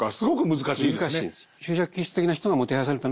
難しいです。